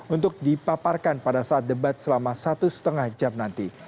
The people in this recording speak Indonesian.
untuk dipaparkan pada saat debat selama satu lima jam nanti